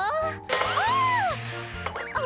ああ！